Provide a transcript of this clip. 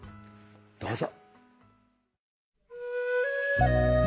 どうぞ。